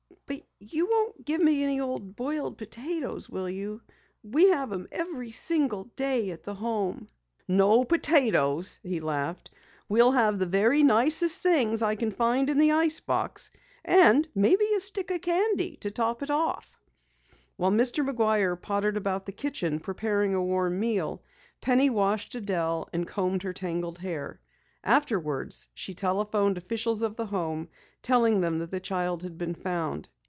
"But you won't give me any old boiled potatoes, will you? We have 'em every single day at the Home." "No potatoes," he laughed. "We'll have the very nicest things I can find in the icebox, and maybe a stick of candy to top it off." While Mr. McGuire pottered about the kitchen preparing a warm meal, Penny washed Adelle and combed her tangled hair. Afterwards, she telephoned officials of the Home, telling them that the child had been found.